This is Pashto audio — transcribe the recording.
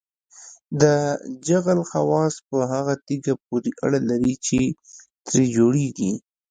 د جغل خواص په هغه تیږه پورې اړه لري چې ترې جوړیږي